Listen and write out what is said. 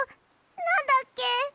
なんだっけ？